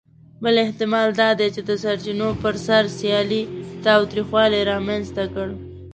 بل احتمال دا دی، چې د سرچینو پر سر سیالي تاوتریخوالي رامنځ ته کړه.